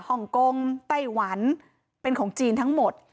ฮ่องกงไต้หวันเป็นของจีนทั้งหมด